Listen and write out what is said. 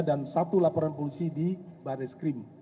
dan satu laporan polisi di baris krim